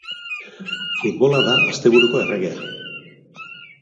Futbola da asteburuko erregea.